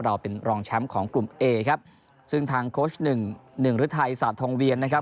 เราเป็นรองแชมป์ของกลุ่มเอครับซึ่งทางโค้ชหนึ่งหนึ่งฤทัยศาสตร์ทองเวียนนะครับ